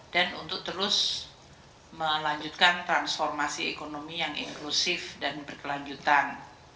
dan untuk terus melanjutkan transformasi ekonomi yang inklusif dan berkelanjutan